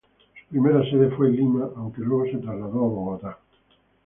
Su primera sede fue Lima, aunque luego se trasladó a Bogotá.